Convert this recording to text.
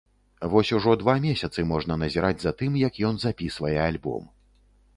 Вось ужо два месяцы можна назіраць за тым, як ён запісвае альбом.